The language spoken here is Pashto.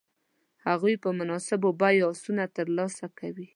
هغوی په مناسبو بیو آسونه تر لاسه کوي.